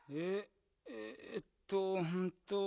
えっとうんと。